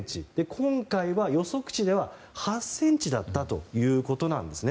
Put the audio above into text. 今回は予測値では８ｃｍだったということなんですね。